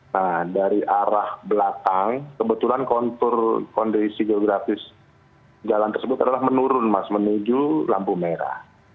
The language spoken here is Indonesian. nah dari arah belakang kebetulan kondisi geografis jalan tersebut adalah menurun mas menuju lampu merah